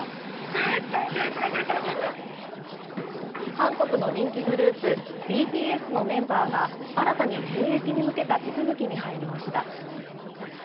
韓国の人気グループＢＴＳのメンバーが新たに兵役に向けた手続きに入りました。